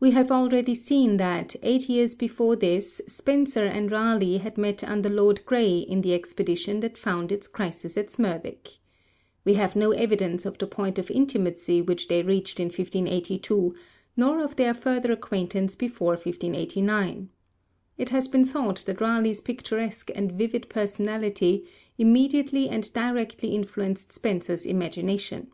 We have already seen that, eight years before this, Spenser and Raleigh had met under Lord Grey in the expedition that found its crisis at Smerwick. We have no evidence of the point of intimacy which they reached in 1582, nor of their further acquaintance before 1589. It has been thought that Raleigh's picturesque and vivid personality immediately and directly influenced Spenser's imagination.